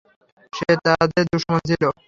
সে তাদের দুশমন ছিল।